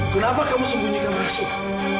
kenapa kamu sembunyikan rahasia